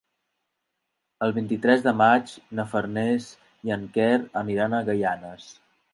El vint-i-tres de maig na Farners i en Quer aniran a Gaianes.